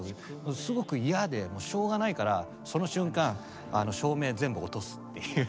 すごく嫌でもうしょうがないからその瞬間照明全部落とすっていう。